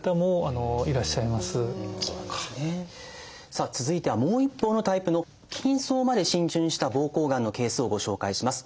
さあ続いてはもう一方のタイプの筋層まで浸潤した膀胱がんのケースをご紹介します。